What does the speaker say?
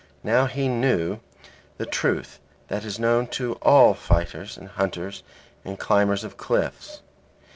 Now he knew the truth that is known to all fighters, and hunters, and climbers of cliffs.